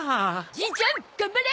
じいちゃん頑張れ！